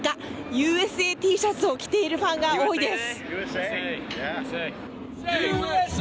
ＵＳＡシャツを着ているファンが多いです。